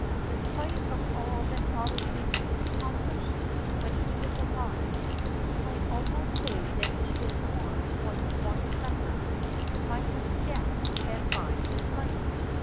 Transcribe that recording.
In spite of all that Father Damien accomplished when he was alive, we might almost say that he did more for the Hawaiian lepers by his death than by his life.